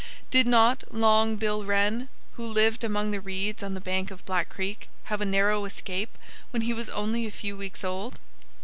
Did not Long Bill Wren, who lived among the reeds on the bank of Black Creek, have a narrow escape when he was only a few weeks old?